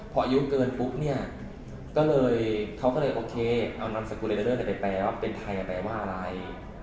พออายุเกินปุ๊บเนี่ยเขาก็เลยโอเคเอานำสกุลเรย์เดอร์เริ่มไปแปลว่าเป็นไทยแปลว่าอะไร